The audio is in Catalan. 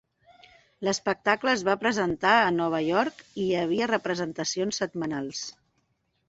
L'espectacle es va presentar en Nova York i hi havia representacions setmanalment.